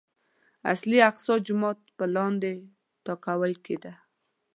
اصلي اقصی جومات په لاندې تاكاوۍ کې دی.